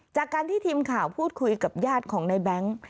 จากการที่ทีมข่าวพูดคุยกับญาติของในแบงค์